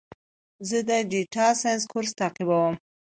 زه د ډیټا ساینس کورس تعقیبوم.